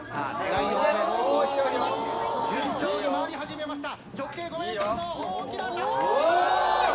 順調に回り始めました。